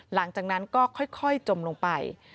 หลังจากนั้นก็ค่อยจมลงไป